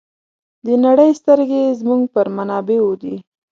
د نړۍ سترګې زموږ پر منابعو دي.